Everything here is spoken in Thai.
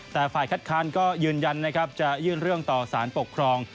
แต่ฝ่ายคัดค้านก็ยืนยันนะครับจะยื่นเรื่องต่อสารปกครอง